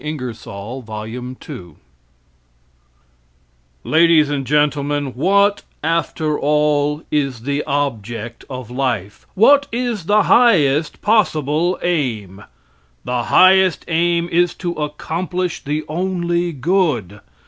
Ingersoll's Lecture on Myth and Miracles Ladies and Gentlemen: What, after all, is the object of life? What is the highest possible aim? The highest aim is to accomplish the only good.